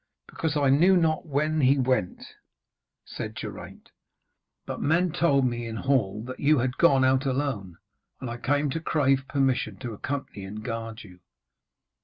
'Because I knew not when he went,' said Geraint. 'But men told me in hall that you had gone out alone, and I came to crave permission to accompany and guard you.'